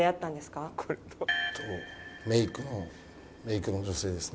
メイクのメイクの女性です。